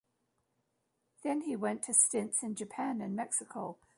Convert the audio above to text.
Then he went to stints in Japan and Mexico.